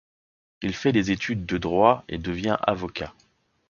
Il fait des études de droit et devient avocat.